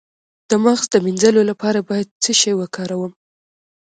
د مغز د مینځلو لپاره باید څه شی وکاروم؟